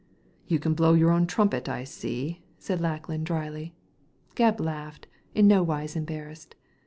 "You can blow your own trumpet, I seel" said Lackland, dryly. Gebb laughed, in nowise embarrassed.